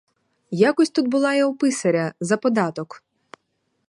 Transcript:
Якось тут була я у писаря, за податок.